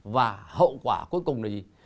và hậu quả cuối cùng là gì